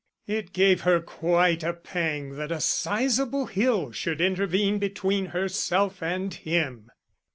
It gave her quite a pang that a sizeable hill should intervene between herself and him.